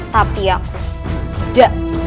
tapi aku tidak